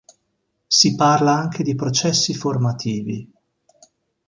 Si parla anche di processi formativi.